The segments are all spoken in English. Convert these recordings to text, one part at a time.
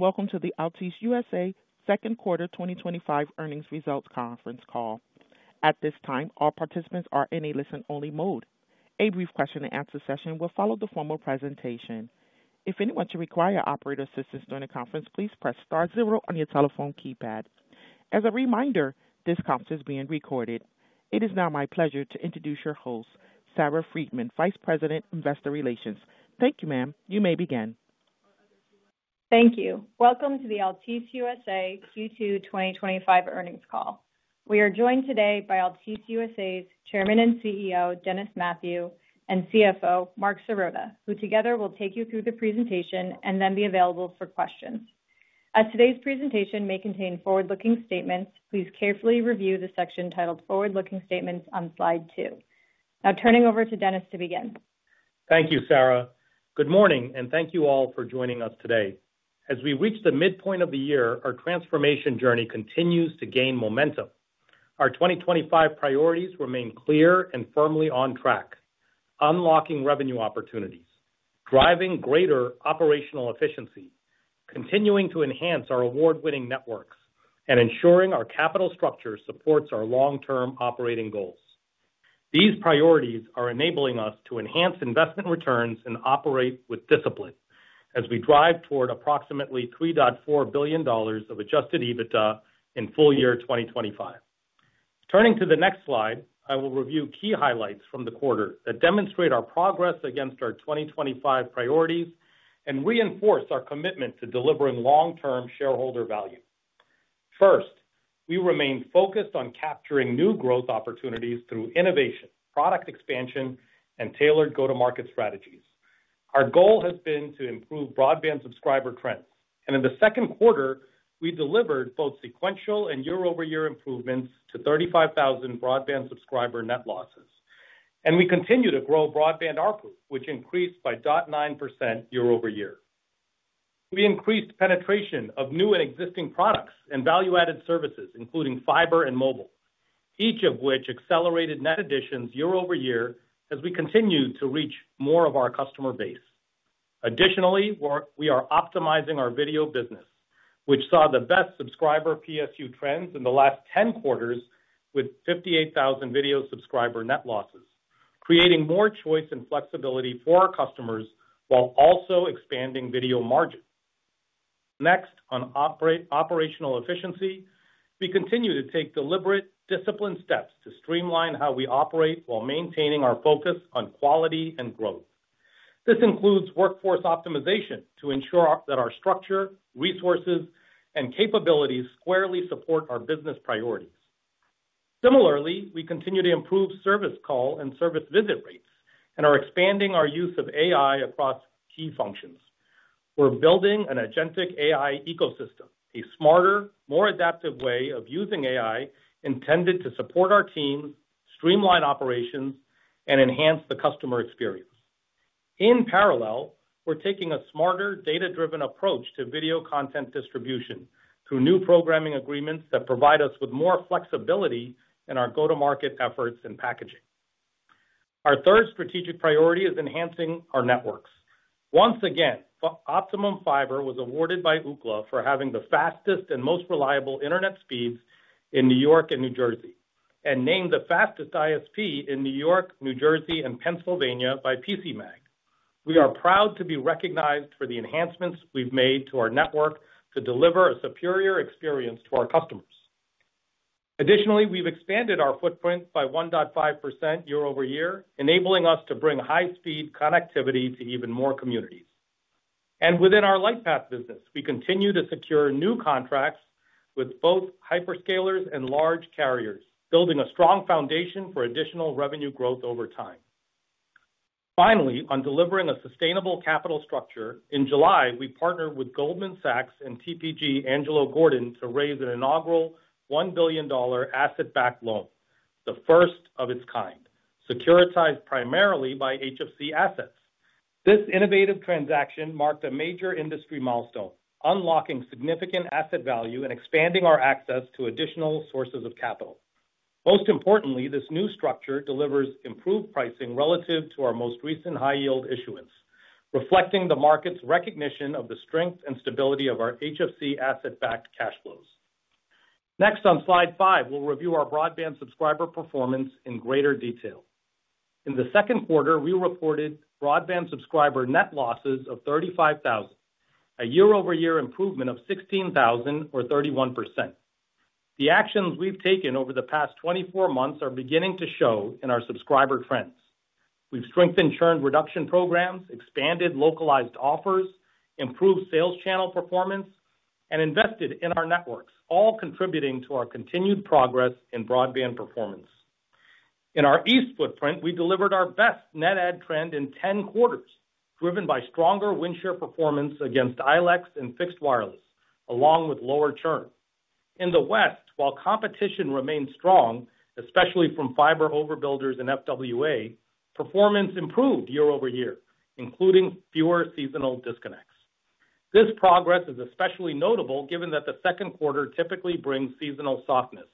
Welcome to the Altice USA Second Quarter 2025 Earnings Results Conference Call. At this time, all participants are in a listen-only mode. A brief question-and-answer session will follow the formal presentation. If anyone should require operator assistance during the conference, please press star zero on your telephone keypad. As a reminder, this conference is being recorded. It is now my pleasure to introduce your host, Sarah Freedman, Vice President, Investor Relations. Thank you, ma'am. You may begin. Thank you. Welcome to the Altice USA Q2 2025 Earnings Call. We are joined today by Altice USA's Chairman and CEO, Dennis Mathew, and CFO, Marc Sirota, who together will take you through the presentation and then be available for questions. As today's presentation may contain forward-looking statements, please carefully review the section titled "Forward-Looking Statements" on slide 2. Now, turning over to Dennis to begin. Thank you, Sarah. Good morning, and thank you all for joining us today. As we reach the midpoint of the year, our transformation journey continues to gain momentum. Our 2025 priorities remain clear and firmly on track: unlocking revenue opportunities, driving greater operational efficiency, continuing to enhance our award-winning networks, and ensuring our capital structure supports our long-term operating goals. These priorities are enabling us to enhance investment returns and operate with discipline as we drive toward approximately $3.4 billion of adjusted EBITDA in full year 2025. Turning to the next slide, I will review key highlights from the quarter that demonstrate our progress against our 2025 priorities and reinforce our commitment to delivering long-term shareholder value. First, we remain focused on capturing new growth opportunities through innovation, product expansion, and tailored go-to-market strategies. Our goal has been to improve broadband subscriber trends, and in the second quarter, we delivered both sequential and year-over-year improvements to 35,000 broadband subscriber net losses. We continue to grow broadband output, which increased by 0.9% year-over-year. We increased penetration of new and existing products and value-added services, including fiber and mobile, each of which accelerated net additions year-over-year as we continued to reach more of our customer base. Additionally, we are optimizing our video business, which saw the best subscriber PSU trends in the last 10 quarters with 58,000 video subscriber net losses, creating more choice and flexibility for our customers while also expanding video margins. Next, on operational efficiency, we continue to take deliberate, disciplined steps to streamline how we operate while maintaining our focus on quality and growth. This includes workforce optimization to ensure that our structure, resources, and capabilities squarely support our business priorities. Similarly, we continue to improve service call and service visit rates and are expanding our use of AI across key functions. We're building an agentic AI ecosystem, a smarter, more adaptive way of using AI intended to support our team, streamline operations, and enhance the customer experience. In parallel, we're taking a smarter, data-driven approach to video content distribution through new programming agreements that provide us with more flexibility in our go-to-market efforts and packaging. Our third strategic priority is enhancing our networks. Once again, Optimum Fiber was awarded by UCLA for having the fastest and most reliable internet speeds in New York and New Jersey, and named the fastest ISP in New York, New Jersey, and Pennsylvania by PCMAG. We are proud to be recognized for the enhancements we've made to our network to deliver a superior experience to our customers. Additionally, we've expanded our footprint by 1.5% year-over-year, enabling us to bring high-speed connectivity to even more communities. Within our Lightpath business, we continue to secure new contracts with both hyperscalers and large carriers, building a strong foundation for additional revenue growth over time. Finally, on delivering a sustainable capital structure, in July, we partnered with Goldman Sachs and TPG Angelo Gordon to raise an inaugural $1 billion asset-backed loan, the first of its kind, securitized primarily by HFC assets. This innovative transaction marked a major industry milestone, unlocking significant asset value and expanding our access to additional sources of capital. Most importantly, this new structure delivers improved pricing relative to our most recent high-yield issuance, reflecting the market's recognition of the strength and stability of our HFC asset-backed cash flows. Next, on slide 5, we'll review our broadband subscriber performance in greater detail. In the second quarter, we reported broadband subscriber net losses of 35,000, a year-over-year improvement of 16,000 or 31%. The actions we've taken over the past 24 months are beginning to show in our subscriber trends. We've strengthened churn reduction programs, expanded localized offers, improved sales channel performance, and invested in our networks, all contributing to our continued progress in broadband performance. In our East footprint, we delivered our best net add trend in 10 quarters, driven by stronger windshield performance against ILECs and fixed wireless, along with lower churn. In the West, while competition remained strong, especially from fiber overbuilders and FWA, performance improved year-over-year, including fewer seasonal disconnects. This progress is especially notable given that the second quarter typically brings seasonal softness.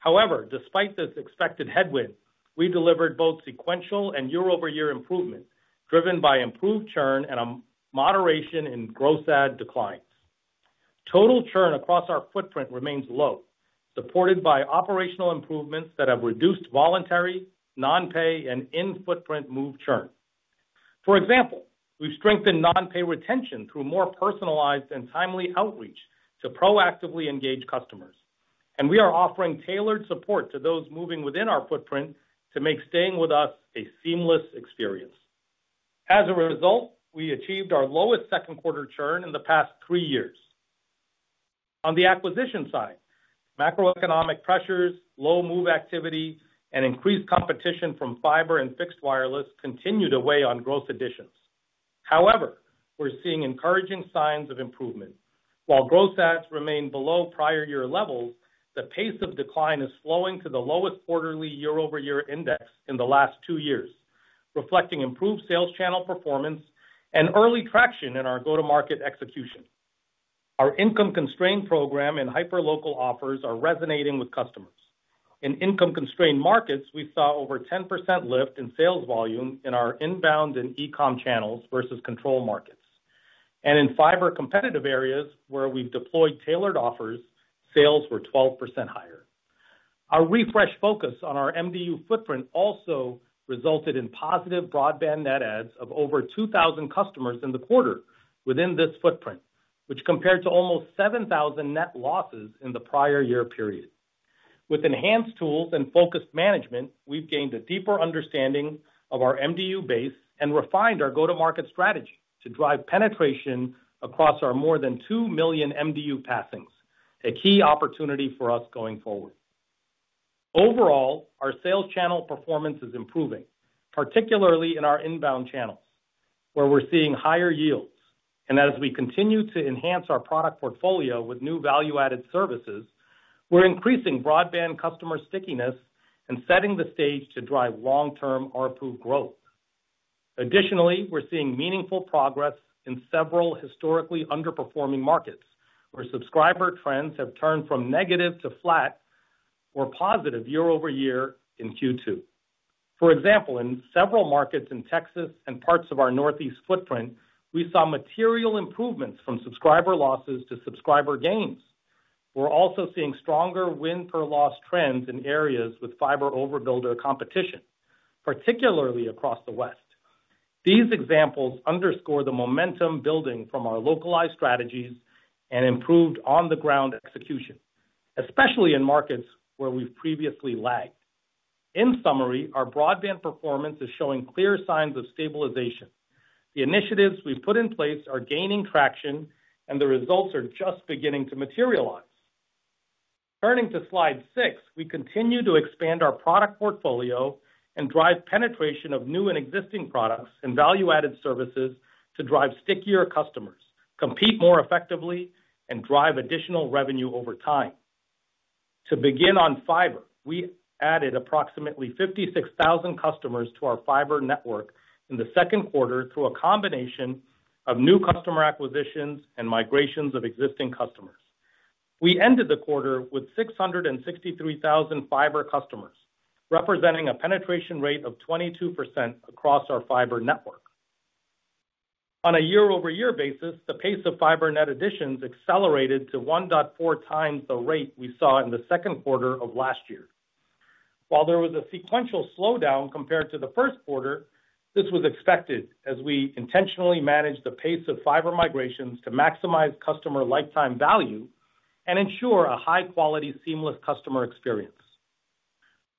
However, despite this expected headwind, we delivered both sequential and year-over-year improvement, driven by improved churn and a moderation in gross ad decline. Total churn across our footprint remains low, supported by operational improvements that have reduced voluntary, non-pay, and in-footprint move churn. For example, we've strengthened non-pay retention through more personalized and timely outreach to proactively engage customers, and we are offering tailored support to those moving within our footprint to make staying with us a seamless experience. As a result, we achieved our lowest second quarter churn in the past three years. On the acquisition side, macroeconomic pressures, low move activity, and increased competition from fiber and fixed wireless continue to weigh on growth additions. However, we're seeing encouraging signs of improvement. While gross ads remain below prior year levels, the pace of decline is slowing to the lowest quarterly year-over-year index in the last two years, reflecting improved sales channel performance and early traction in our go-to-market execution. Our income-constrained program and hyperlocal offers are resonating with customers. In income-constrained markets, we saw over 10% lift in sales volume in our inbound and e-com channels versus controlled markets. In fiber competitive areas, where we've deployed tailored offers, sales were 12% higher. Our refresh focus on our MDU footprint also resulted in positive broadband net adds of over 2,000 customers in the quarter within this footprint, which compared to almost 7,000 net losses in the prior year period. With enhanced tools and focused management, we've gained a deeper understanding of our MDU base and refined our go-to-market strategy to drive penetration across our more than 2 million MDU passings, a key opportunity for us going forward. Overall, our sales channel performance is improving, particularly in our inbound channels, where we're seeing higher yields. As we continue to enhance our product portfolio with new value-added services, we're increasing broadband customer stickiness and setting the stage to drive long-term ARPU growth. Additionally, we're seeing meaningful progress in several historically underperforming markets, where subscriber trends have turned from negative to flat or positive year-over-year in Q2. For example, in several markets in Texas and parts of our Northeast footprint, we saw material improvements from subscriber losses to subscriber gains. We're also seeing stronger win-per-loss trends in areas with fiber overbuilder competition, particularly across the West. These examples underscore the momentum building from our localized strategies and improved on-the-ground execution, especially in markets where we've previously lagged. In summary, our broadband performance is showing clear signs of stabilization. The initiatives we've put in place are gaining traction, and the results are just beginning to materialize. Turning to slide 6, we continue to expand our product portfolio and drive penetration of new and existing products and value-added services to drive stickier customers, compete more effectively, and drive additional revenue over time. To begin on fiber, we added approximately 56,000 customers to our fiber network in the second quarter through a combination of new customer acquisitions and migrations of existing customers. We ended the quarter with 663,000 fiber customers, representing a penetration rate of 22% across our fiber network. On a year-over-year basis, the pace of fiber net additions accelerated to 1.4 times the rate we saw in the second quarter of last year. While there was a sequential slowdown compared to the first quarter, this was expected as we intentionally managed the pace of fiber migrations to maximize customer lifetime value and ensure a high-quality, seamless customer experience.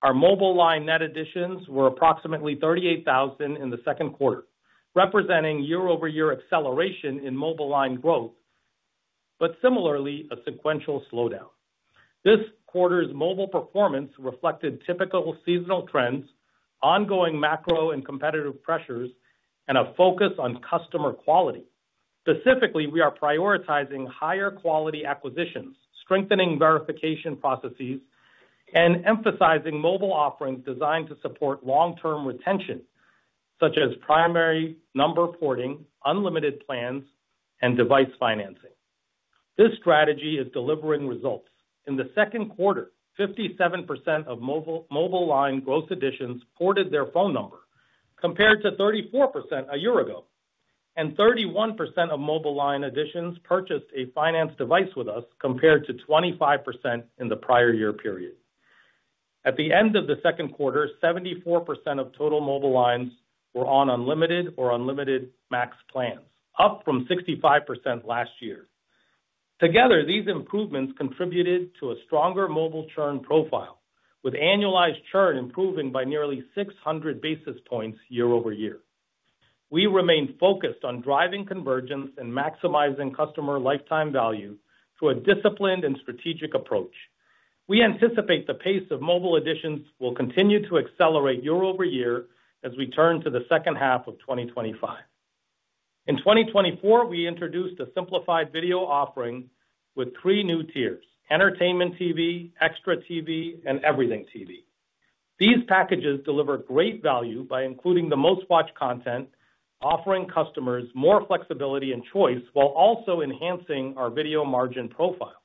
Our mobile line net additions were approximately 38,000 in the second quarter, representing year-over-year acceleration in mobile line growth, but similarly, a sequential slowdown. This quarter's mobile performance reflected typical seasonal trends, ongoing macro and competitive pressures, and a focus on customer quality. Specifically, we are prioritizing higher quality acquisitions, strengthening verification processes, and emphasizing mobile offerings designed to support long-term retention, such as primary number porting, unlimited plans, and device financing. This strategy is delivering results. In the second quarter, 57% of mobile line growth additions ported their phone number, compared to 34% a year ago, and 31% of mobile line additions purchased a financed device with us, compared to 25% in the prior year period. At the end of the second quarter, 74% of total mobile lines were on unlimited or unlimited max plans, up from 65% last year. Together, these improvements contributed to a stronger mobile churn profile, with annualized churn improving by nearly 600 basis points year-over-year. We remain focused on driving convergence and maximizing customer lifetime value through a disciplined and strategic approach. We anticipate the pace of mobile additions will continue to accelerate year-over-year as we turn to the second half of 2025. In 2024, we introduced a simplified video offering with three new tiers: Entertainment TV, Extra TV, and Everything TV. These packages deliver great value by including the most watched content, offering customers more flexibility and choice, while also enhancing our video margin profile.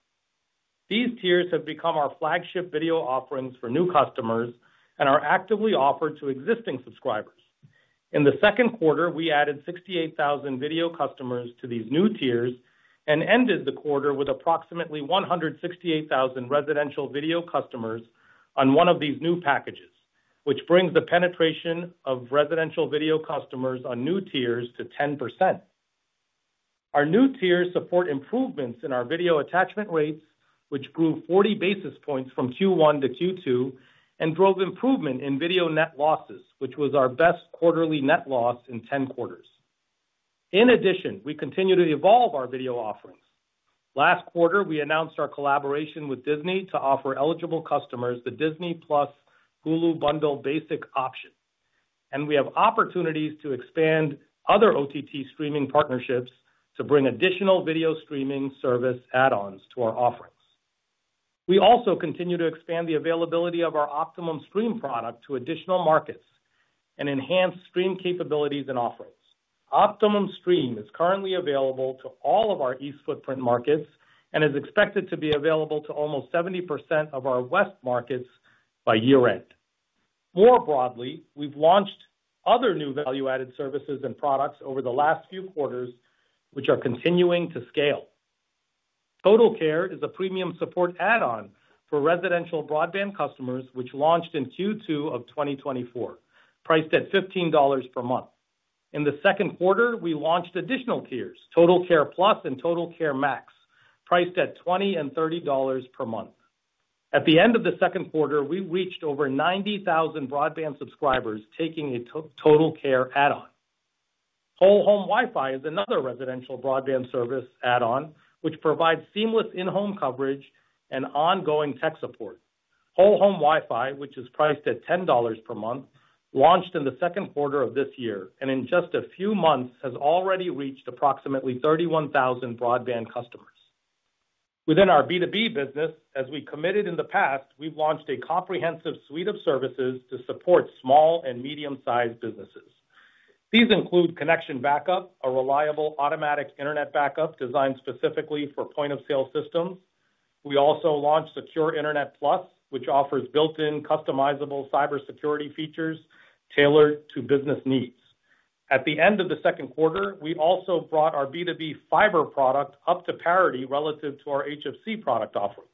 These tiers have become our flagship video offerings for new customers and are actively offered to existing subscribers. In the second quarter, we added 68,000 video customers to these new tiers and ended the quarter with approximately 168,000 residential video customers on one of these new packages, which brings the penetration of residential video customers on new tiers to 10%. Our new tiers support improvements in our video attachment rates, which grew 40 basis points from Q1 to Q2 and drove improvement in video net losses, which was our best quarterly net loss in 10 quarters. In addition, we continue to evolve our video offerings. Last quarter, we announced our collaboration with Disney to offer eligible customers the Disney Plus Hulu Bundle Basic option, and we have opportunities to expand other OTT streaming partnerships to bring additional video streaming service add-ons to our offerings. We also continue to expand the availability of our Optimum Stream product to additional markets and enhance stream capabilities and offerings. Optimum Stream is currently available to all of our East footprint markets and is expected to be available to almost 70% of our West markets by year-end. More broadly, we've launched other new value-added services and products over the last few quarters, which are continuing to scale. Total Care is a premium support add-on for residential broadband customers, which launched in Q2 of 2024, priced at $15 per month. In the second quarter, we launched additional tiers: Total Care Plus and Total Care Max, priced at $20 and $30 per month. At the end of the second quarter, we reached over 90,000 broadband subscribers taking a Total Care add-on. Whole Home Wi-Fi is another residential broadband service add-on, which provides seamless in-home coverage and ongoing tech support. Whole Home Wi-Fi, which is priced at $10 per month, launched in the second quarter of this year and in just a few months has already reached approximately 31,000 broadband customers. Within our B2B business, as we committed in the past, we've launched a comprehensive suite of services to support small and medium-sized businesses. These include connection backup, a reliable automatic internet backup designed specifically for point-of-sale systems. We also launched Secure Internet Plus, which offers built-in, customizable cybersecurity features tailored to business needs. At the end of the second quarter, we also brought our B2B fiber product up to parity relative to our HFC product offerings,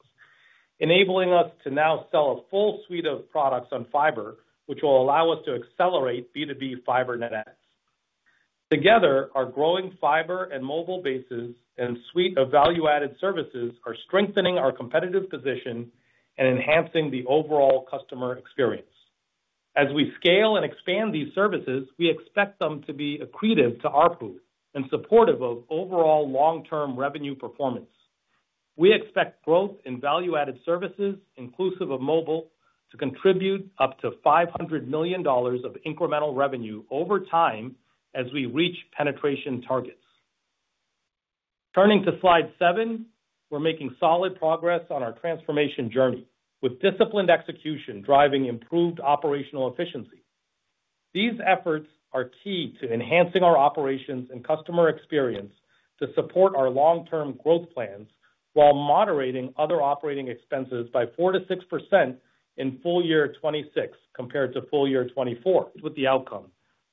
enabling us to now sell a full suite of products on fiber, which will allow us to accelerate B2B fiber net adds. Together, our growing fiber and mobile bases and suite of value-added services are strengthening our competitive position and enhancing the overall customer experience. As we scale and expand these services, we expect them to be accretive to ARPU and supportive of overall long-term revenue performance. We expect growth in value-added services, inclusive of mobile, to contribute up to $500 million of incremental revenue over time as we reach penetration targets. Turning to slide 7, we're making solid progress on our transformation journey, with disciplined execution driving improved operational efficiency. These efforts are key to enhancing our operations and customer experience to support our long-term growth plans while moderating other operating expenses by 4%-6% in full year 2026 compared to full year 2024. With the outcome,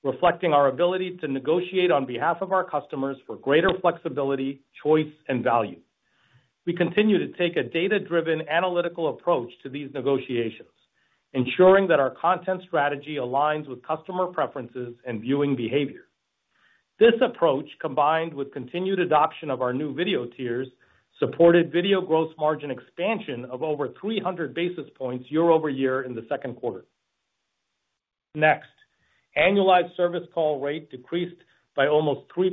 reflecting our ability to negotiate on behalf of our customers for greater flexibility, choice, and value. We continue to take a data-driven, analytical approach to these negotiations, ensuring that our content strategy aligns with customer preferences and viewing behavior. This approach, combined with continued adoption of our new video tiers, supported video gross margin expansion of over 300 basis points year-over-year in the second quarter. Next, annualized service call rate decreased by almost 3%,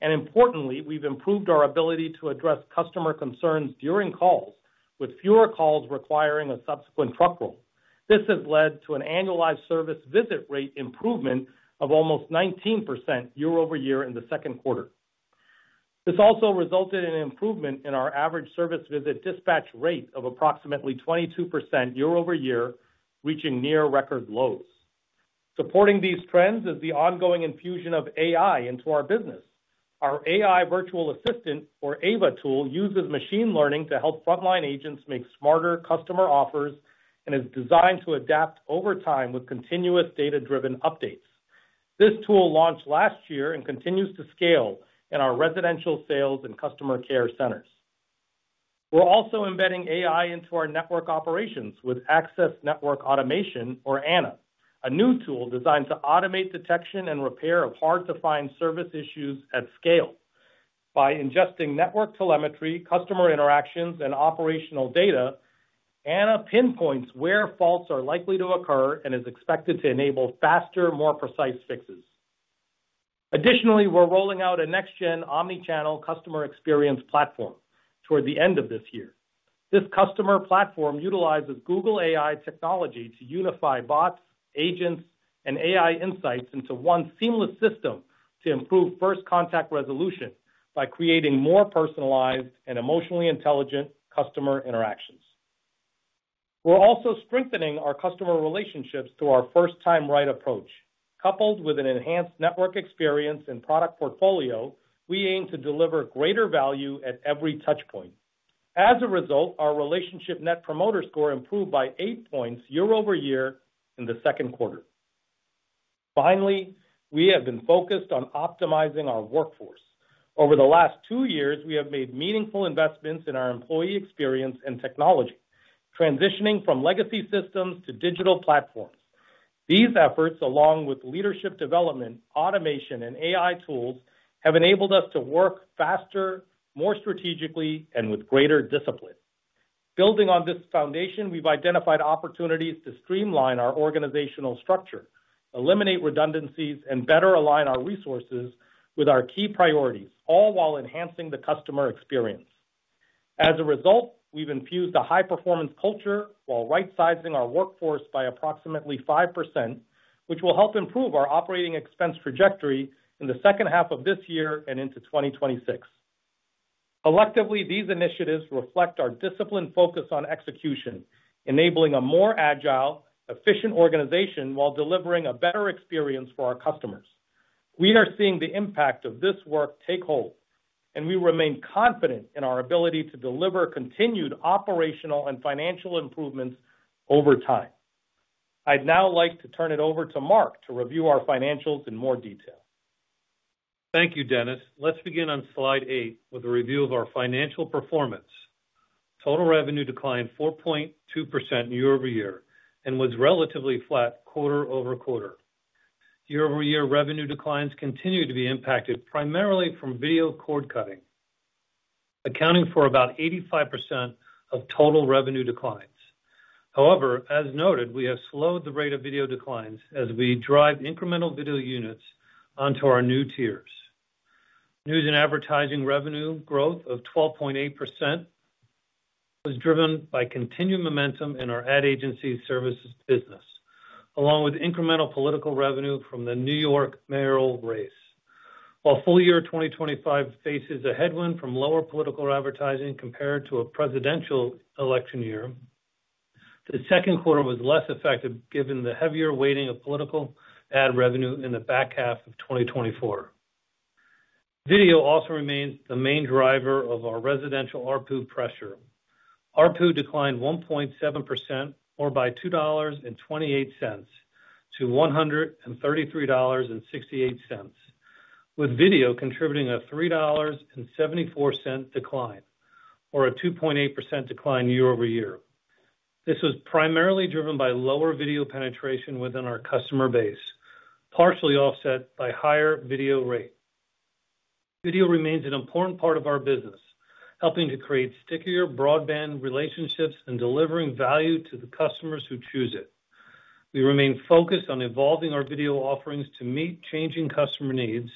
and importantly, we've improved our ability to address customer concerns during calls, with fewer calls requiring a subsequent truck roll. This has led to an annualized service visit rate improvement of almost 19% year-over-year in the second quarter. This also resulted in an improvement in our average service visit dispatch rate of approximately 22% year-over-year, reaching near record lows. Supporting these trends is the ongoing infusion of AI into our business. Our AI virtual assistant, or AVA tool, uses machine learning to help frontline agents make smarter customer offers and is designed to adapt over time with continuous data-driven updates. This tool launched last year and continues to scale in our residential sales and customer care centers. We're also embedding AI into our network operations with Access Network Automation, or ANA, a new tool designed to automate detection and repair of hard-to-find service issues at scale. By ingesting network telemetry, customer interactions, and operational data, ANA pinpoints where faults are likely to occur and is expected to enable faster, more precise fixes. Additionally, we're rolling out a next-gen omnichannel customer experience platform toward the end of this year. This customer platform utilizes Google AI technology to unify bots, agents, and AI insights into one seamless system to improve first contact resolution by creating more personalized and emotionally intelligent customer interactions. We're also strengthening our customer relationships through our first-time right approach. Coupled with an enhanced network experience and product portfolio, we aim to deliver greater value at every touchpoint. As a result, our relationship net promoter score improved by 8 points year-over-year in the second quarter. Finally, we have been focused on optimizing our workforce. Over the last two years, we have made meaningful investments in our employee experience and technology, transitioning from legacy systems to digital platforms. These efforts, along with leadership development, automation, and AI tools, have enabled us to work faster, more strategically, and with greater discipline. Building on this foundation, we've identified opportunities to streamline our organizational structure, eliminate redundancies, and better align our resources with our key priorities, all while enhancing the customer experience. As a result, we've infused a high-performance culture while right-sizing our workforce by approximately 5%, which will help improve our operating expense trajectory in the second half of this year and into 2026. Collectively, these initiatives reflect our disciplined focus on execution, enabling a more agile, efficient organization while delivering a better experience for our customers. We are seeing the impact of this work take hold, and we remain confident in our ability to deliver continued operational and financial improvements over time. I'd now like to turn it over to Marc to review our financials in more detail. Thank you, Dennis. Let's begin on slide 8 with a review of our financial performance. Total revenue declined 4.2% year-over-year and was relatively flat quarter over quarter. Year-over-year revenue declines continue to be impacted primarily from video cord cutting, accounting for about 85% of total revenue declines. However, as noted, we have slowed the rate of video declines as we drive incremental video units onto our new tiers. News and advertising revenue growth of 12.8% was driven by continued momentum in our ad agency services business, along with incremental political revenue from the New York mayoral race. While full year 2025 faces a headwind from lower political advertising compared to a presidential election year, the second quarter was less affected given the heavier weighting of political ad revenue in the back half of 2024. Video also remains the main driver of our residential ARPU pressure. ARPU declined 1.7%, or by $2.28 to $133.68, with video contributing a $3.74 decline, or a 2.8% decline year-over-year. This was primarily driven by lower video penetration within our customer base, partially offset by higher video rate. Video remains an important part of our business, helping to create stickier broadband relationships and delivering value to the customers who choose it. We remain focused on evolving our video offerings to meet changing customer needs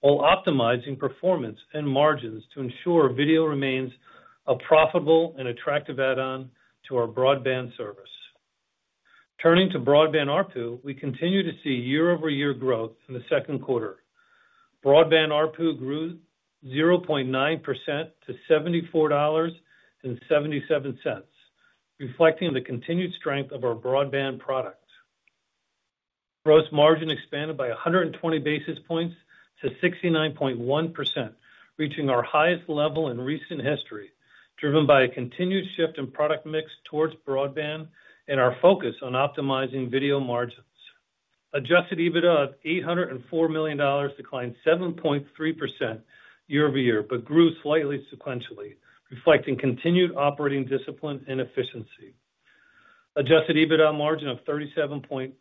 while optimizing performance and margins to ensure video remains a profitable and attractive add-on to our broadband service. Turning to broadband ARPU, we continue to see year-over-year growth in the second quarter. Broadband ARPU grew 0.9% to $74.77, reflecting the continued strength of our broadband product. Gross margin expanded by 120 basis points to 69.1%, reaching our highest level in recent history, driven by a continued shift in product mix towards broadband and our focus on optimizing video margins. Adjusted EBITDA of $804 million declined 7.3% year-over-year, but grew slightly sequentially, reflecting continued operating discipline and efficiency. Adjusted EBITDA margin of 37.4%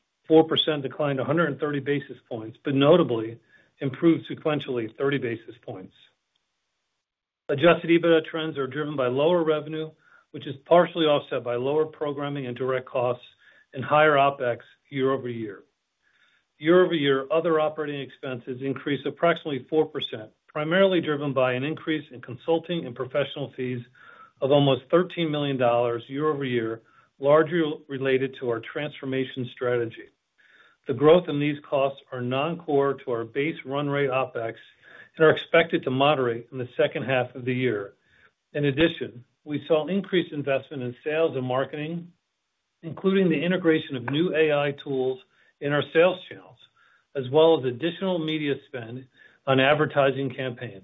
declined 130 basis points, but notably improved sequentially 30 basis points. Adjusted EBITDA trends are driven by lower revenue, which is partially offset by lower programming and direct costs and higher OpEx year-over-year. year-over-year, other operating expenses increased approximately 4%, primarily driven by an increase in consulting and professional fees of almost $13 million year-over-year, largely related to our transformation strategy. The growth in these costs are non-core to our base run rate OPEX and are expected to moderate in the second half of the year. In addition, we saw increased investment in sales and marketing, including the integration of new AI tools in our sales channels, as well as additional media spend on advertising campaigns.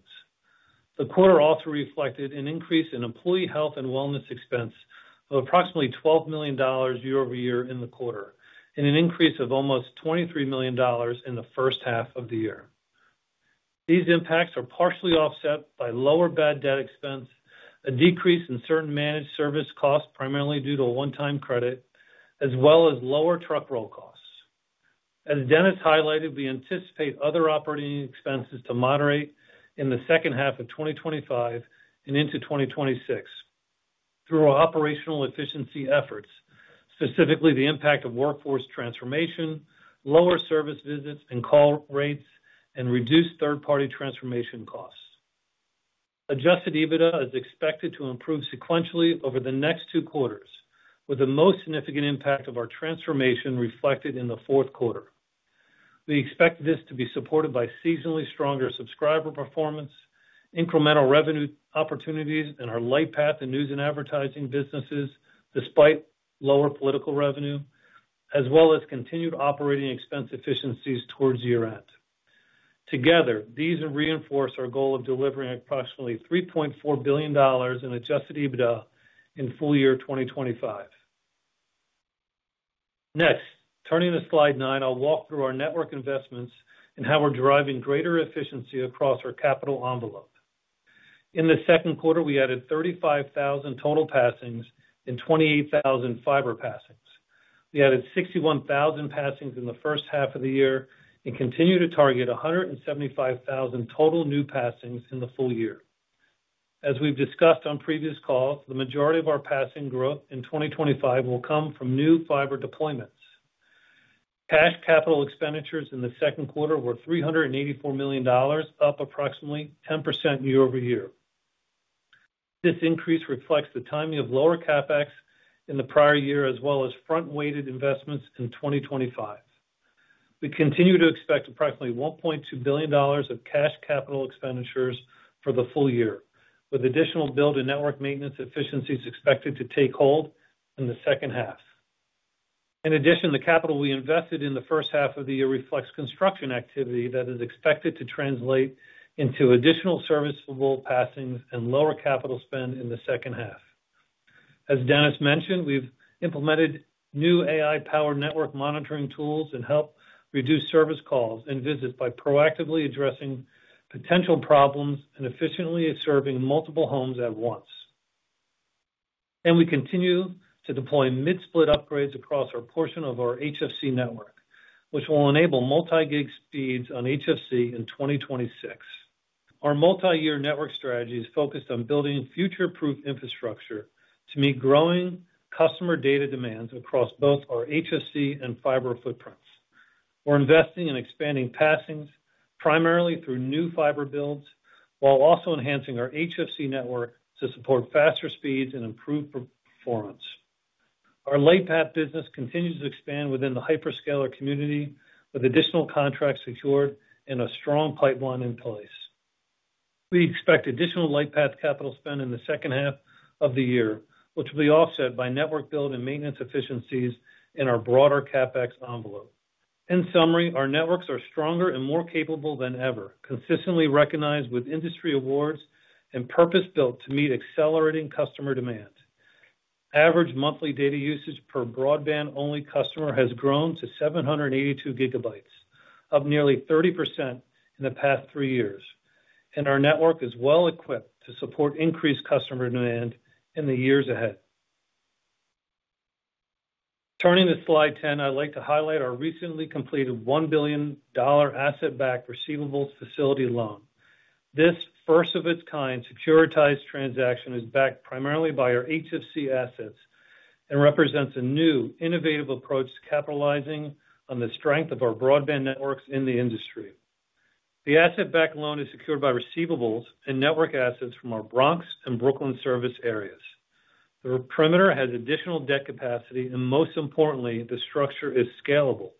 The quarter also reflected an increase in employee health and wellness expense of approximately $12 million year-over-year in the quarter, and an increase of almost $23 million in the first half of the year. These impacts are partially offset by lower bad debt expense, a decrease in certain managed service costs primarily due to a one-time credit, as well as lower truck roll costs. As Dennis highlighted, we anticipate other operating expenses to moderate in the second half of 2025 and into 2026 through operational efficiency efforts, specifically the impact of workforce transformation, lower service visits and call rates, and reduced third-party transformation costs. Adjusted EBITDA is expected to improve sequentially over the next two quarters, with the most significant impact of our transformation reflected in the fourth quarter. We expect this to be supported by seasonally stronger subscriber performance, incremental revenue opportunities in our Lightpath and news and advertising businesses, despite lower political revenue, as well as continued operating expense efficiencies towards year-end. Together, these reinforce our goal of delivering approximately $3.4 billion in adjusted EBITDA in full year 2025. Next, turning to slide 9, I'll walk through our network investments and how we're driving greater efficiency across our capital envelope. In the second quarter, we added 35,000 total passings and 28,000 fiber passings. We added 61,000 passings in the first half of the year and continue to target 175,000 total new passings in the full year. As we've discussed on previous calls, the majority of our passing growth in 2025 will come from new fiber deployments. Cash capital expenditures in the second quarter were $384 million, up approximately 10% year-over-year. This increase reflects the timing of lower CapEx in the prior year, as well as front-weighted investments in 2025. We continue to expect approximately $1.2 billion of cash capital expenditures for the full year, with additional build and network maintenance efficiencies expected to take hold in the second half. In addition, the capital we invested in the first half of the year reflects construction activity that is expected to translate into additional serviceable passings and lower capital spend in the second half. As Dennis mentioned, we've implemented new AI-powered network monitoring tools and helped reduce service calls and visits by proactively addressing potential problems and efficiently serving multiple homes at once. We continue to deploy mid-split enhancements across our portion of our HFC network, which will enable multi-gig speeds on HFC in 2026. Our multi-year network strategy is focused on building future-proof infrastructure to meet growing customer data demands across both our HFC and fiber footprints. We're investing in expanding passings, primarily through new fiber builds, while also enhancing our HFC network to support faster speeds and improve performance. Our Lightpath B2B contracts business continues to expand within the hyperscaler community, with additional contracts secured and a strong pipeline in place. We expect additional Lightpath capital spend in the second half of the year, which will be offset by network build and maintenance efficiencies in our broader capital expenditures envelope. In summary, our networks are stronger and more capable than ever, consistently recognized with industry awards and purpose-built to meet accelerating customer demand. Average monthly data usage per broadband-only customer has grown to 782 GB, up nearly 30% in the past three years, and our network is well equipped to support increased customer demand in the years ahead. Turning to slide 10, I'd like to highlight our recently completed $1 billion asset-backed receivables facility loan. This first-of-its-kind securitized transaction is backed primarily by our HFC assets and represents a new, innovative approach to capitalizing on the strength of our broadband networks in the industry. The asset-backed loan is secured by receivables and network assets from our Bronx and Brooklyn service areas. The perimeter has additional debt capacity, and most importantly, the structure is scalable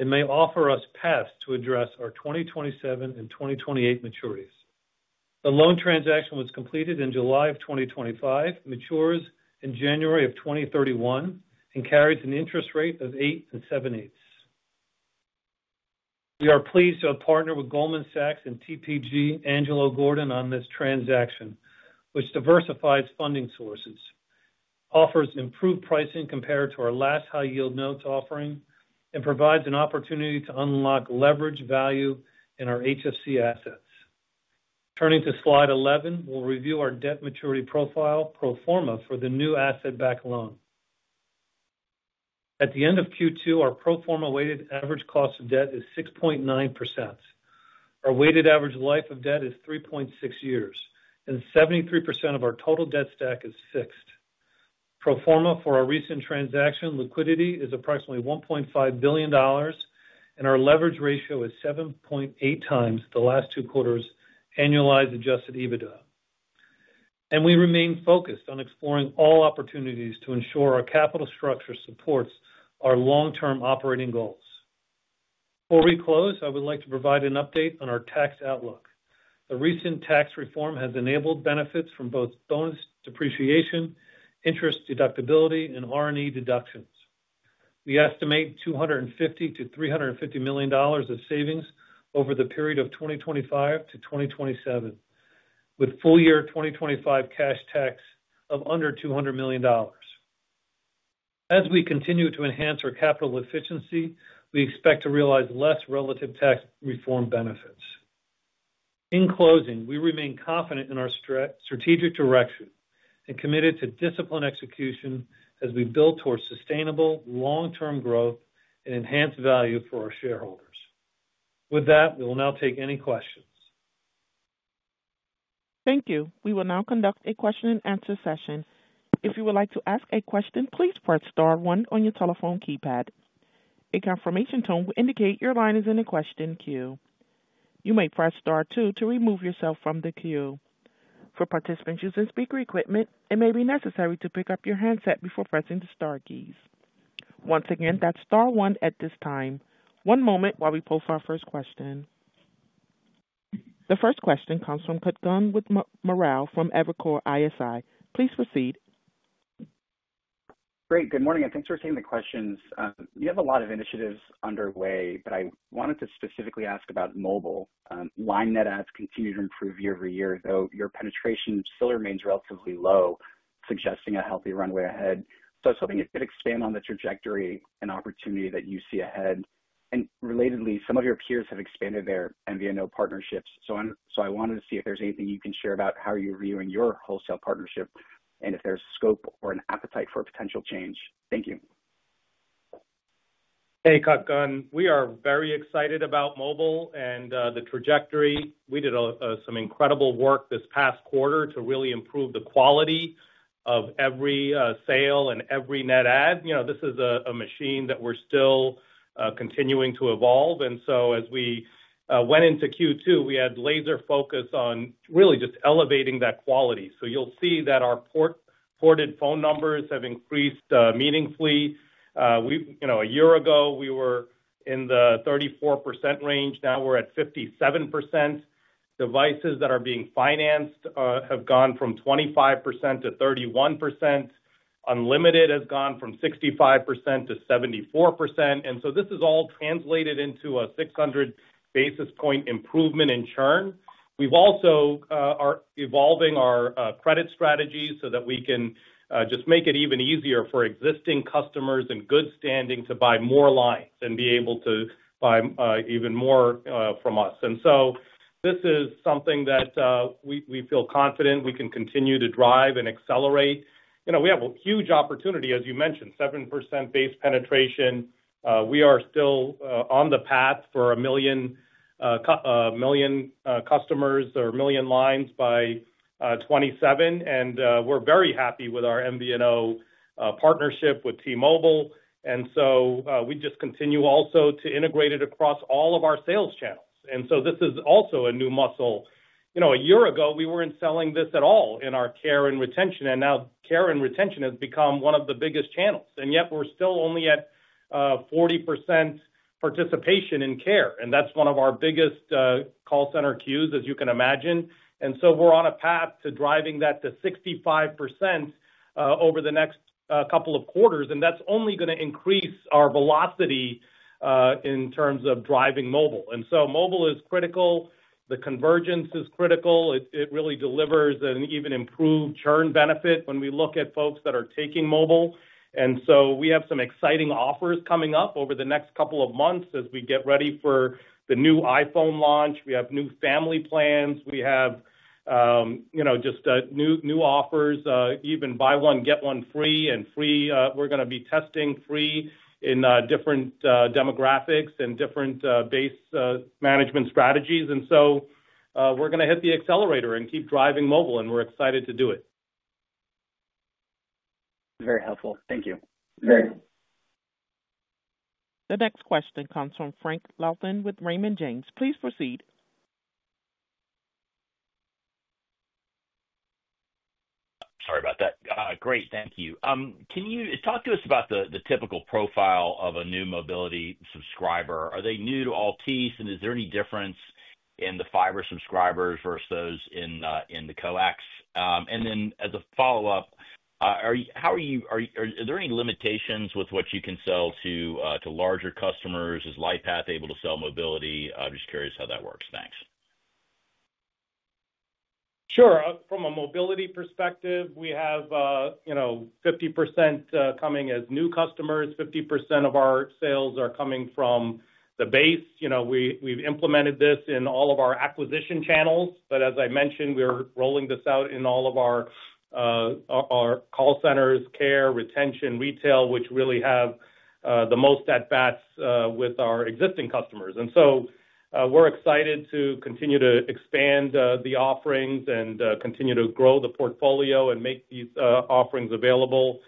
and may offer us paths to address our 2027 and 2028 maturities. The loan transaction was completed in July of 2025, matures in January of 2031, and carries an interest rate of 8.78%. We are pleased to have partnered with Goldman Sachs and TPG Angelo Gordon on this transaction, which diversifies funding sources, offers improved pricing compared to our last high-yield notes offering, and provides an opportunity to unlock leveraged value in our HFC assets. Turning to slide 11, we'll review our debt maturity profile, pro forma, for the new asset-backed loan. At the end of Q2, our pro forma weighted average cost of debt is 6.9%. Our weighted average life of debt is 3.6 years, and 73% of our total debt stack is fixed. Pro forma for our recent transaction, liquidity is approximately $1.5 billion, and our leverage ratio is 7.8 times the last two quarters' annualized adjusted EBITDA. We remain focused on exploring all opportunities to ensure our capital structure supports our long-term operating goals. Before we close, I would like to provide an update on our tax outlook. The recent tax reform has enabled benefits from both bonus depreciation, interest deductibility, and R&E deductions. We estimate $250 million-$350 million of savings over the period of 2025 to 2027, with full year 2025 cash tax of under $200 million. As we continue to enhance our capital efficiency, we expect to realize less relative tax reform benefits. In closing, we remain confident in our strategic direction and committed to disciplined execution as we build towards sustainable long-term growth and enhanced value for our shareholders. With that, we will now take any questions. Thank you. We will now conduct a question-and-answer session. If you would like to ask a question, please press star one on your telephone keypad. A confirmation tone will indicate your line is in a question queue. You may press star two to remove yourself from the queue. For participants using speaker equipment, it may be necessary to pick up your handset before pressing the star keys. Once again, that's star one at this time. One moment while we pull for our first question. The first question comes from Kutgun Mara with Evercore ISI. Please proceed. Great. Good morning, and thanks for seeing the questions. You have a lot of initiatives underway, but I wanted to specifically ask about mobile. Line net adds continue to improve year-over-year, though your penetration still remains relatively low, suggesting a healthy runway ahead. I was hoping you could expand on the trajectory and opportunity that you see ahead. Relatedly, some of your peers have expanded their MVNO partnerships, so I wanted to see if there's anything you can share about how you're viewing your wholesale partnership and if there's scope or an appetite for a potential change. Thank you. Hey, Kutgun. We are very excited about mobile and the trajectory. We did some incredible work this past quarter to really improve the quality of every sale and every net add. This is a machine that we're still continuing to evolve. As we went into Q2, we had laser focus on really just elevating that quality. You'll see that our ported phone numbers have increased meaningfully. A year ago, we were in the 34% range. Now we're at 57%. Devices that are being financed have gone from 25% to 31%. Unlimited has gone from 65% to 74%. This has all translated into a 600 basis point improvement in churn. We've also evolved our credit strategy so that we can just make it even easier for existing customers in good standing to buy more lines and be able to buy even more from us. This is something that we feel confident we can continue to drive and accelerate. We have a huge opportunity, as you mentioned, 7% base penetration. We are still on the path for a million customers or a million lines by 2027. We're very happy with our MVNO partnership with T-Mobile. We just continue also to integrate it across all of our sales channels. This is also a new muscle. A year ago, we weren't selling this at all in our care and retention. Now care and retention has become one of the biggest channels. Yet we're still only at 40% participation in care, and that's one of our biggest call center queues, as you can imagine. We're on a path to driving that to 65% over the next couple of quarters. That's only going to increase our velocity in terms of driving mobile. Mobile is critical. The convergence is critical. It really delivers an even improved churn benefit when we look at folks that are taking mobile. We have some exciting offers coming up over the next couple of months as we get ready for the new iPhone launch. We have new family plans. We have just new offers, even buy one, get one free. We're going to be testing free in different demographics and different base management strategies. We're going to hit the accelerator and keep driving mobile. We're excited to do it. Very helpful. Thank you. Great. The next question comes from Frank Garrett Louthan with Raymond James. Please proceed. Sorry about that. Great. Thank you. Can you talk to us about the typical profile of a new mobility subscriber? Are they new to Altice USA? Is there any difference in the fiber subscribers versus those in the coax? As a follow-up, are there any limitations with what you can sell to larger customers? Is Lightpath B2B contracts able to sell mobility? I'm just curious how that works. Thanks. Sure. From a mobility perspective, we have 50% coming as new customers. 50% of our sales are coming from the base. We have implemented this in all of our acquisition channels. As I mentioned, we are rolling this out in all of our call centers, care, retention, retail, which really have the most at-bats with our existing customers. We are excited to continue to expand the offerings and continue to grow the portfolio and make these offerings available.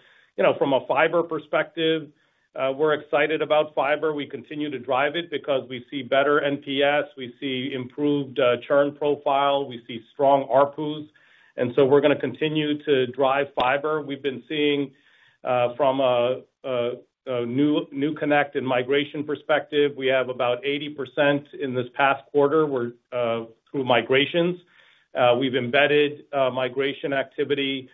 From a fiber perspective, we are excited about fiber. We continue to drive it because we see better NPS. We see improved churn profile. We see strong ARPUs. We are going to continue to drive fiber. We have been seeing from a new connect and migration perspective, we have about 80% in this past quarter through migrations. We have embedded migration activity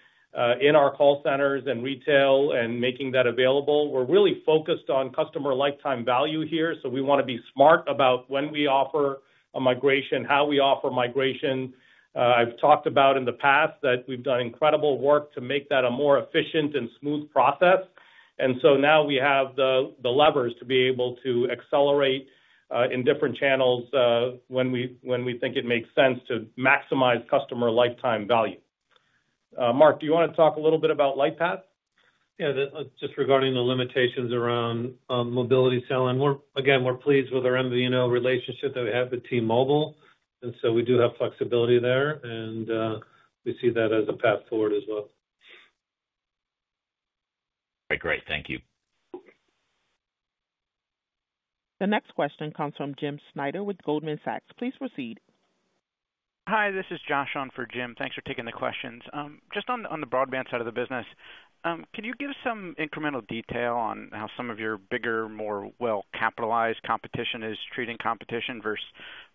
in our call centers and retail and making that available. We are really focused on customer lifetime value here. We want to be smart about when we offer a migration, how we offer migration. I have talked about in the past that we have done incredible work to make that a more efficient and smooth process. Now we have the levers to be able to accelerate in different channels when we think it makes sense to maximize customer lifetime value. Marc, do you want to talk a little bit about Lightpath? Yeah, just regarding the limitations around mobility selling, we're pleased with our MVNO relationship that we have with T-Mobile. We do have flexibility there, and we see that as a path forward as well. Great. Thank you. The next question comes from Jim Snyder with Goldman Sachs. Please proceed. Hi, this is Josh on for Jim. Thanks for taking the questions. Just on the broadband side of the business, can you give some incremental detail on how some of your bigger, more well-capitalized competition is treating competition versus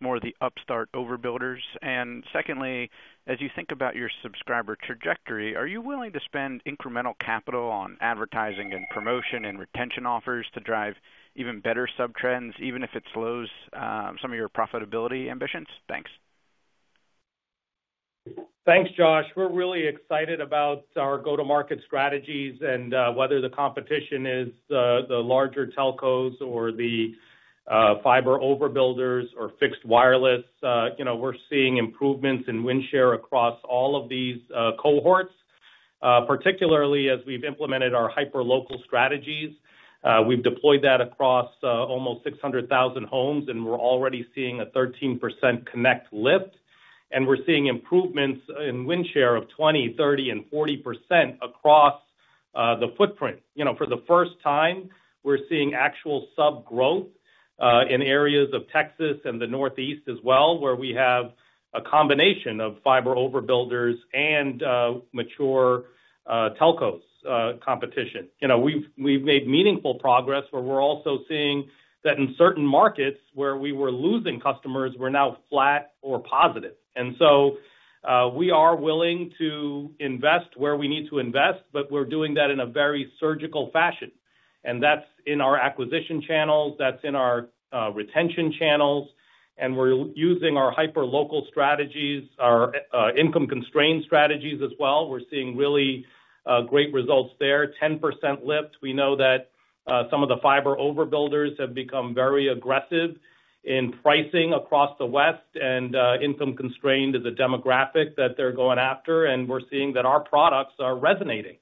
more of the upstart overbuilders? Secondly, as you think about your subscriber trajectory, are you willing to spend incremental capital on advertising and promotion and retention offers to drive even better subtrends, even if it slows some of your profitability ambitions? Thanks. Thanks, Josh. We're really excited about our go-to-market strategies and whether the competition is the larger telcos or the fiber overbuilders or fixed wireless, we're seeing improvements in win share across all of these cohorts, particularly as we've implemented our hyper-local strategies. We've deployed that across almost 600,000 homes, and we're already seeing a 13% connect lift. We're seeing improvements in win share of 20%, 30%, and 40% across the footprint. For the first time, we're seeing actual subgrowth in areas of Texas and the Northeast as well, where we have a combination of fiber overbuilders and mature telcos competition. We've made meaningful progress, but we're also seeing that in certain markets where we were losing customers, we're now flat or positive. We are willing to invest where we need to invest, but we're doing that in a very surgical fashion. That's in our acquisition channels, that's in our retention channels, and we're using our hyper-local strategies, our income-constrained strategies as well. We're seeing really great results there, 10% lift. We know that some of the fiber overbuilders have become very aggressive in pricing across the West, and income-constrained is a demographic that they're going after. We're seeing that our products are resonating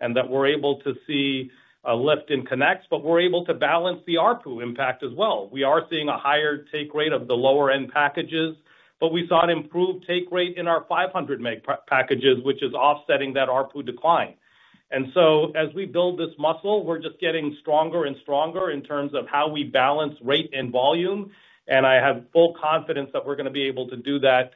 and that we're able to see a lift in connects, but we're able to balance the ARPU impact as well. We are seeing a higher take rate of the lower-end packages, but we saw an improved take rate in our 500 meg packages, which is offsetting that ARPU decline. As we build this muscle, we're just getting stronger and stronger in terms of how we balance rate and volume. I have full confidence that we're going to be able to do that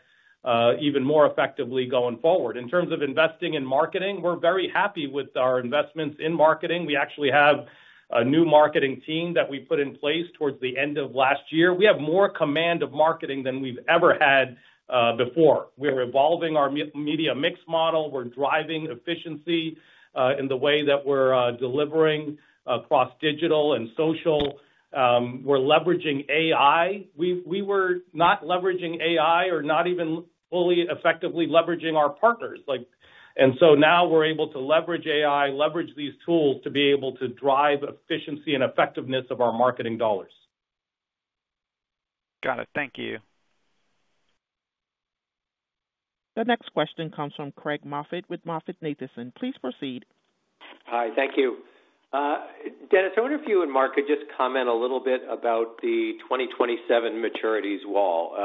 even more effectively going forward. In terms of investing in marketing, we're very happy with our investments in marketing. We actually have a new marketing team that we put in place towards the end of last year. We have more command of marketing than we've ever had before. We're evolving our media mix model. We're driving efficiency in the way that we're delivering across digital and social. We're leveraging AI. We were not leveraging AI or not even fully effectively leveraging our partners. Now we're able to leverage AI, leverage these tools to be able to drive efficiency and effectiveness of our marketing dollars. Got it. Thank you. The next question comes from Craig Eder Moffett with MoffettNathanson. Please proceed. Hi, thank you. Dennis, I wonder if you and Marc could just comment a little bit about the 2027 maturities wall.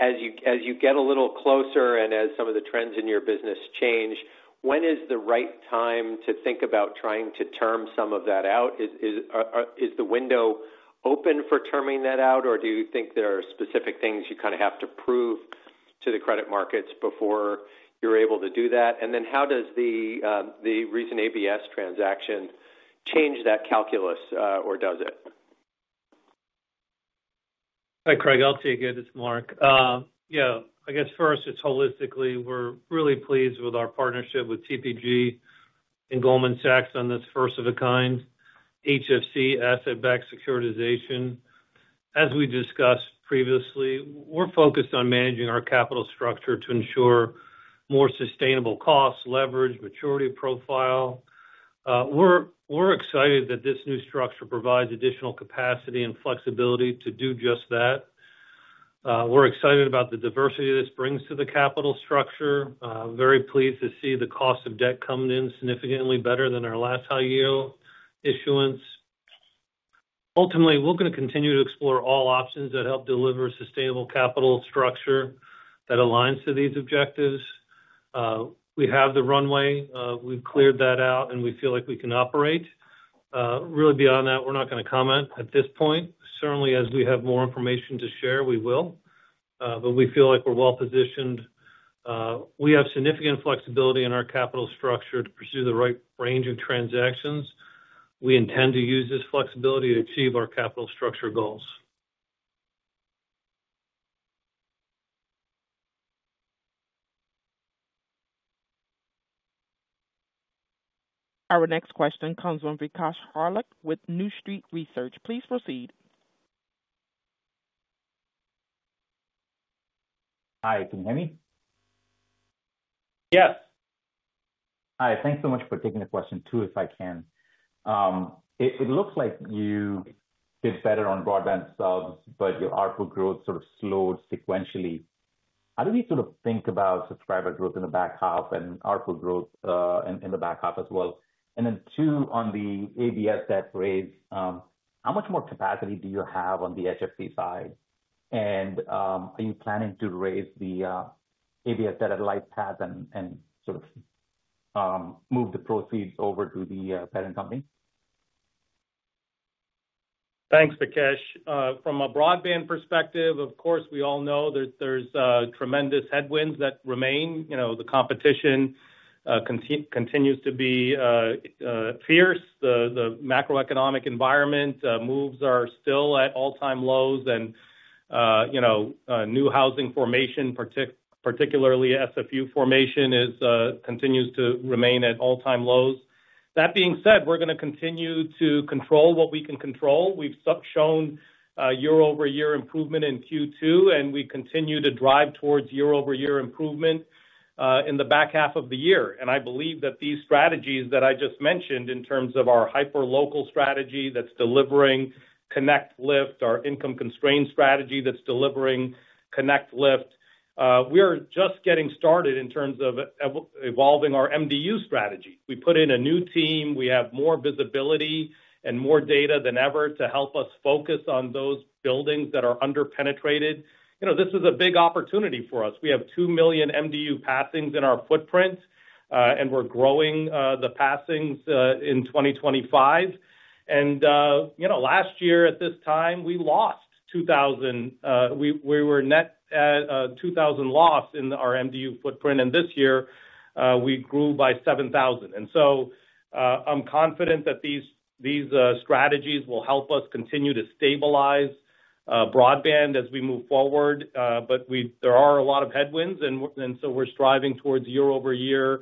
As you get a little closer and as some of the trends in your business change, when is the right time to think about trying to term some of that out? Is the window open for terming that out, or do you think there are specific things you kind of have to prove to the credit markets before you're able to do that? How does the recent ABS transaction change that calculus, or does it? Hi, Craig. I'll take it. It's Marc. Yeah, I guess first, holistically, we're really pleased with our partnership with TPG Angelo Gordon and Goldman Sachs on this first-of-a-kind HFC asset-backed securitization. As we discussed previously, we're focused on managing our capital structure to ensure more sustainable costs, leverage, maturity profile. We're excited that this new structure provides additional capacity and flexibility to do just that. We're excited about the diversity this brings to the capital structure. Very pleased to see the cost of debt coming in significantly better than our last high-yield issuance. Ultimately, we're going to continue to explore all options that help deliver sustainable capital structure that aligns to these objectives. We have the runway. We've cleared that out, and we feel like we can operate. Really, beyond that, we're not going to comment at this point. Certainly, as we have more information to share, we will. We feel like we're well positioned. We have significant flexibility in our capital structure to pursue the right range of transactions. We intend to use this flexibility to achieve our capital structure goals. Our next question comes from Vikash Harlalka with New Street Research. Please proceed. Hi, can you hear me? Yes. Hi, thanks so much for taking the question. If I can, it looks like you did better on broadband subs, but your ARPU growth sort of slowed sequentially. How do you sort of think about subscriber growth in the back half and ARPU growth in the back half as well? On the ABS debt raise, how much more capacity do you have on the HFC side? Are you planning to raise the ABS debt at Lightpath and sort of move the proceeds over to the parent company? Thanks, Vikash. From a broadband perspective, of course, we all know there's tremendous headwinds that remain. The competition continues to be fierce. The macroeconomic environment moves are still at all-time lows, and new housing formation, particularly SFU formation, continues to remain at all-time lows. That being said, we are going to continue to control what we can control. We've shown year-over-year improvement in Q2, and we continue to drive towards year-over-year improvement in the back half of the year. I believe that these strategies that I just mentioned in terms of our hyper-local strategy that's delivering connect lift, our income-constrained strategy that's delivering connect lift, we are just getting started in terms of evolving our MDU strategy. We put in a new team. We have more visibility and more data than ever to help us focus on those buildings that are underpenetrated. This is a big opportunity for us. We have 2 million MDU passings in our footprint, and we're growing the passings in 2025. Last year at this time, we lost 2,000. We were net at 2,000 loss in our MDU footprint, and this year we grew by 7,000. I am confident that these strategies will help us continue to stabilize broadband as we move forward. There are a lot of headwinds, and we are striving towards year-over-year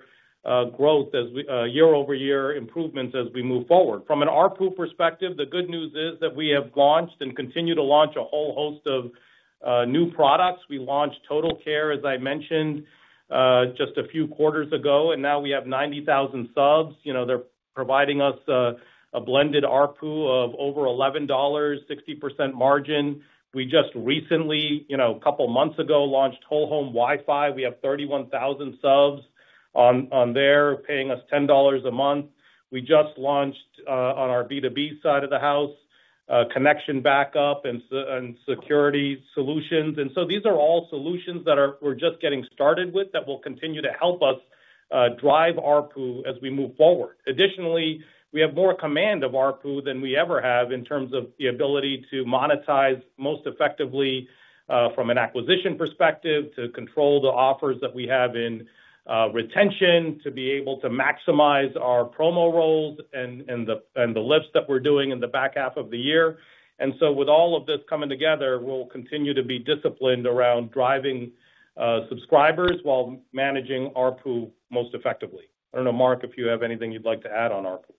growth, year-over-year improvements as we move forward. From an ARPU perspective, the good news is that we have launched and continue to launch a whole host of new products. We launched Total Care, as I mentioned, just a few quarters ago, and now we have 90,000 subs. They are providing us a blended ARPU of over $11, 60% margin. We just recently, a couple of months ago, launched Whole Home Wi-Fi. We have 31,000 subs on there, paying us $10 a month. We just launched on our B2B side of the house connection backup and security solutions. These are all solutions that we are just getting started with that will continue to help us drive ARPU as we move forward. Additionally, we have more command of ARPU than we ever have in terms of the ability to monetize most effectively from an acquisition perspective, to control the offers that we have in retention, to be able to maximize our promo rolls and the lifts that we are doing in the back half of the year. With all of this coming together, we will continue to be disciplined around driving subscribers while managing ARPU most effectively. I don't know, Marc, if you have anything you'd like to add on ARPU.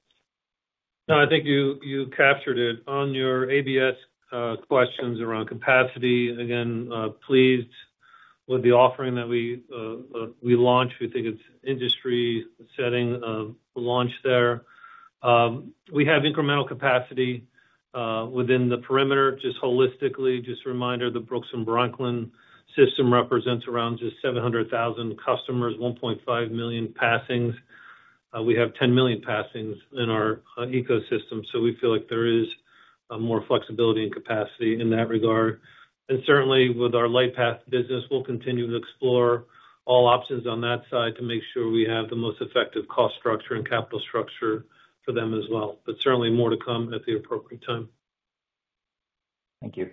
No, I think you captured it on your ABS questions around capacity. Again, pleased with the offering that we launched. We think it's an industry-setting launch there. We have incremental capacity within the perimeter, just holistically. Just a reminder, the Bronx and Brooklyn system represents around just 700,000 customers, 1.5 million passings. We have 10 million passings in our ecosystem, so we feel like there is more flexibility and capacity in that regard. With our Lightpath business, we'll continue to explore all options on that side to make sure we have the most effective cost structure and capital structure for them as well. Certainly, more to come at the appropriate time. Thank you.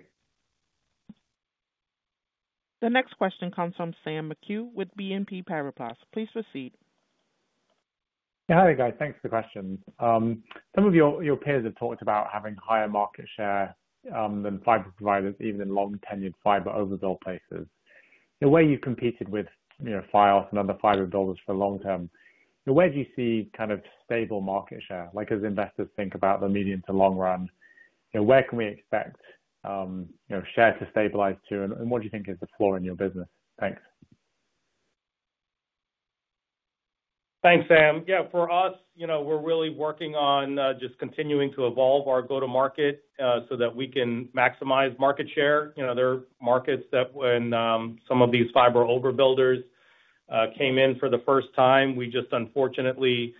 The next question comes from Samuel McHugh with BNP Paribas. Please proceed. Yeah, hi there, guys. Thanks for the question. Some of your peers have talked about having higher market share than fiber providers, even in long-tenured fiber overbuild places. Where you've competed with Fios and other fiber builders for long term, where do you see kind of stable market share? As investors think about the medium to long run, where can we expect share to stabilize to, and what do you think is the floor in your business? Thanks. Thanks, Sam. Yeah, for us, you know, we're really working on just continuing to evolve our go-to-market so that we can maximize market share. You know, there are markets that when some of these fiber overbuilders came in for the first time, we just unfortunately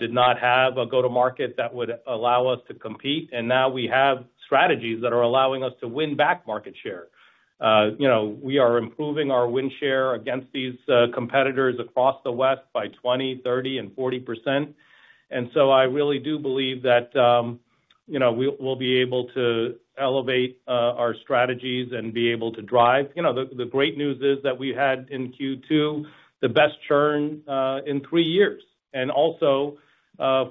did not have a go-to-market that would allow us to compete. Now we have strategies that are allowing us to win back market share. You know, we are improving our win share against these competitors across the West by 20%, 30%, and 40%. I really do believe that, you know, we'll be able to elevate our strategies and be able to drive, you know, the great news is that we had in Q2 the best churn in three years. Also,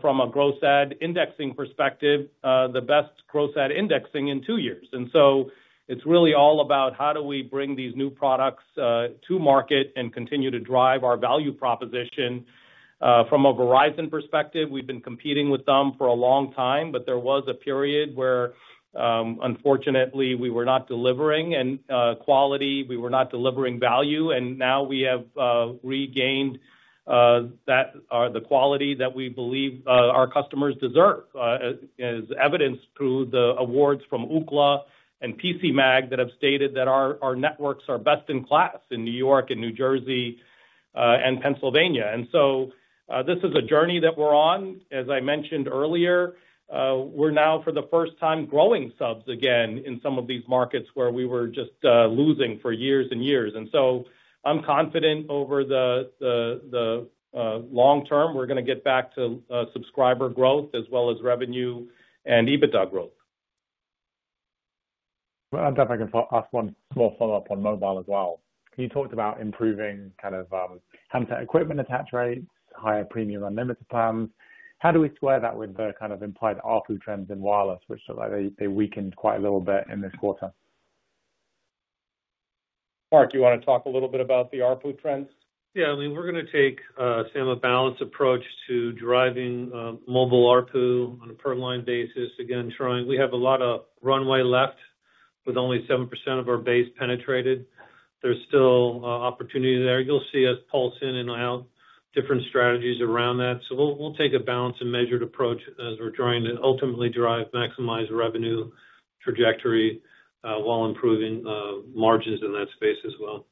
from a gross ad indexing perspective, the best gross ad indexing in two years. It's really all about how do we bring these new products to market and continue to drive our value proposition. From a Verizon perspective, we've been competing with them for a long time, but there was a period where, unfortunately, we were not delivering quality. We were not delivering value. Now we have regained the quality that we believe our customers deserve, as evidenced through the awards from UCLA and PCMAG that have stated that our networks are best in class in New York and New Jersey and Pennsylvania. This is a journey that we're on. As I mentioned earlier, we're now, for the first time, growing subs again in some of these markets where we were just losing for years and years. I'm confident over the long term, we're going to get back to subscriber growth as well as revenue and EBITDA growth. I'm definitely going to ask one small follow-up on mobile as well. You talked about improving kind of handset equipment attach rates, higher premium unlimited plans. How do we square that with the kind of implied ARPU trends in wireless, which look like they weakened quite a little bit in this quarter? Marc, do you want to talk a little bit about the ARPU trends? Yeah, I mean, we're going to take a balanced approach to driving mobile ARPU on a per-line basis. Again, we have a lot of runway left with only 7% of our base penetrated. There's still opportunity there. You'll see us pulse in and out different strategies around that. We'll take a balanced and measured approach as we're trying to ultimately drive maximized revenue trajectory while improving margins in that space as well.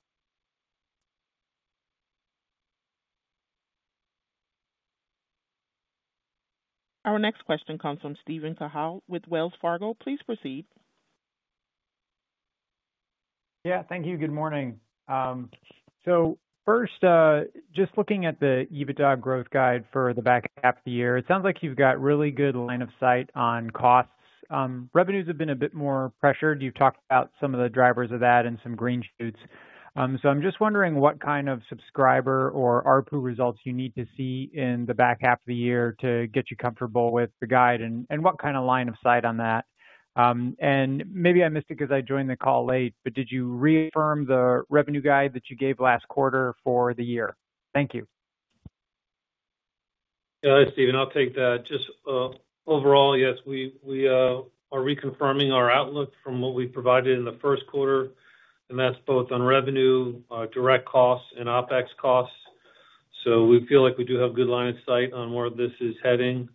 Our next question comes from Steven Lee Cahall with Wells Fargo. Please proceed. Yeah, thank you. Good morning. First, just looking at the EBITDA growth guide for the back half of the year, it sounds like you've got really good line of sight on costs. Revenues have been a bit more pressured. You've talked about some of the drivers of that and some green shoots. I'm just wondering what kind of subscriber or ARPU results you need to see in the back half of the year to get you comfortable with the guide and what kind of line of sight on that. Maybe I missed it because I joined the call late, but did you reaffirm the revenue guide that you gave last quarter for the year? Thank you. Yeah, Steven, I'll take that. Just overall, yes, we are reconfirming our outlook from what we provided in the first quarter, and that's both on revenue, direct costs, and OpEx costs. We feel like we do have good line of sight on where this is heading.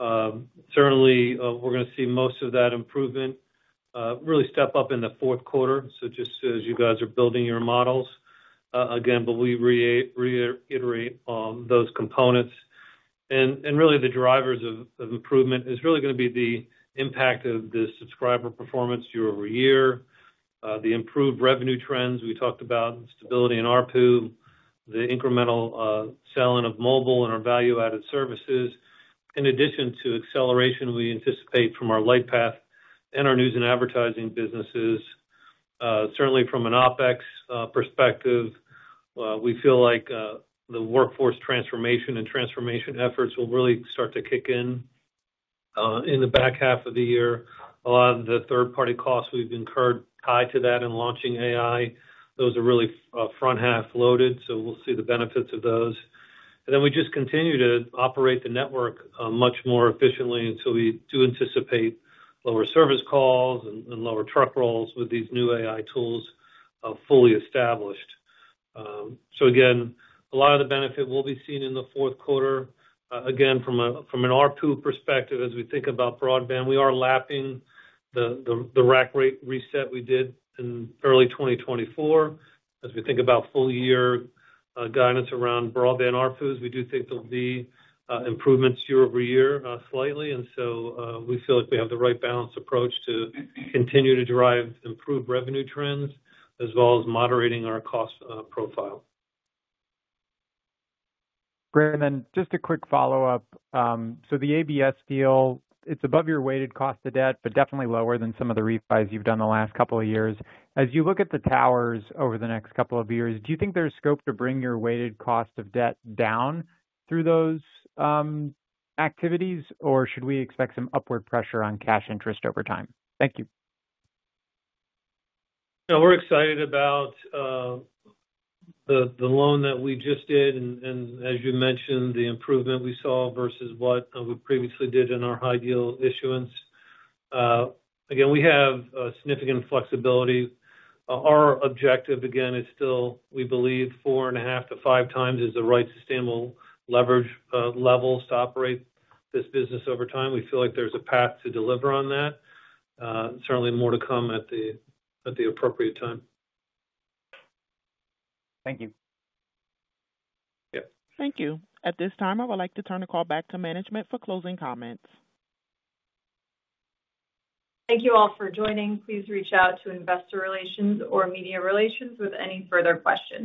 Certainly, we are going to see most of that improvement really step up in the fourth quarter. Just as you guys are building your models, again, we reiterate those components. The drivers of improvement are really going to be the impact of the subscriber performance year-over-year, the improved revenue trends we talked about, stability in ARPU, the incremental selling of mobile and our value-added services. In addition to acceleration we anticipate from our Lightpath and our news and advertising businesses, certainly from an OpEx perspective, we feel like the workforce transformation and transformation efforts will really start to kick in in the back half of the year. A lot of the third-party costs we've incurred tied to that in launching AI, those are really front-half loaded. We will see the benefits of those. We just continue to operate the network much more efficiently. We do anticipate lower service calls and lower truck rolls with these new AI tools fully established. A lot of the benefit will be seen in the fourth quarter. From an ARPU perspective, as we think about broadband, we are lapping the rack rate reset we did in early 2024. As we think about full-year guidance around broadband ARPUs, we do think there will be improvements year-over-year slightly. We feel like we have the right balanced approach to continue to drive improved revenue trends, as well as moderating our cost profile. Brandon, just a quick follow-up. The ABS deal, it's above your weighted cost of debt, but definitely lower than some of the refis you've done the last couple of years. As you look at the towers over the next couple of years, do you think there's scope to bring your weighted cost of debt down through those activities, or should we expect some upward pressure on cash interest over time? Thank you. Yeah, we're excited about the loan that we just did, and as you mentioned, the improvement we saw versus what we previously did in our high yield issuance. We have significant flexibility. Our objective, again, is still, we believe, 4.5-5 times is the right sustainable leverage levels to operate this business over time. We feel like there's a path to deliver on that. Certainly, more to come at the appropriate time. Thank you. Yeah. Thank you. At this time, I would like to turn the call back to management for closing comments. Thank you all for joining. Please reach out to Investor Relations or Media Relations with any further questions.